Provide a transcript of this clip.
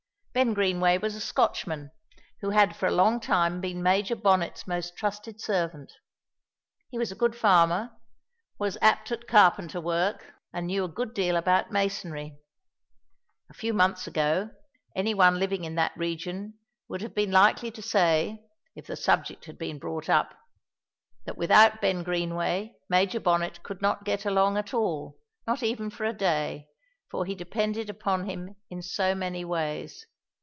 Ben Greenway was a Scotchman, who had for a long time been Major Bonnet's most trusted servant. He was a good farmer, was apt at carpenter work, and knew a good deal about masonry. A few months ago, any one living in that region would have been likely to say, if the subject had been brought up, that without Ben Greenway Major Bonnet could not get along at all, not even for a day, for he depended upon him in so many ways.